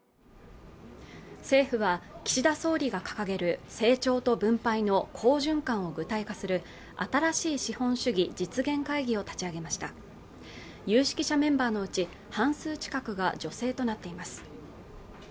政府は岸田総理が掲げる成長と分配の好循環を具体化する新しい資本主義実現会議を立ち上げました有識者メンバーのうち半数近くが女性となっています